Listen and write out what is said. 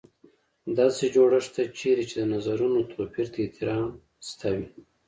داسې جوړښت ته چېرې چې د نظرونو توپیر ته احترام شته وي.